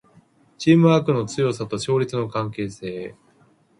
チームワークの強さと勝率の関係性